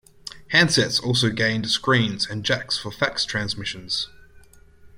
Handsets also gained screens and jacks for fax transmissions.